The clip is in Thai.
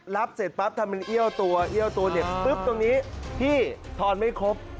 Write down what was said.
รับเสร็จปั๊บถ้ามันเอี้ยวตัวเอี้ยวตัวเด็ดปุ๊บตรงนี้พี่ทอนไม่ครบ